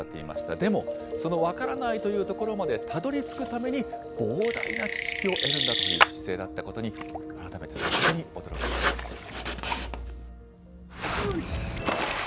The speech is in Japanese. でも、その分からないというところまでたどりつくために、膨大な知識を得るんだという姿勢だったことに、改めて率直に驚きを感じました。